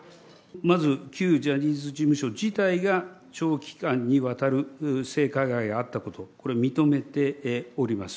まず、旧ジャニーズ事務所自体が長期間にわたる性加害があったことを認めております。